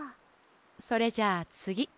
それじゃあつぎ。